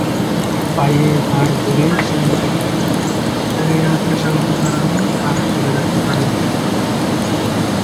ভাইয়ের হার ধরে শাহীন খান অভিনয়ে এলেও পরে আর পেশাগত কারণে আর ধরে রাখতে পারেননি।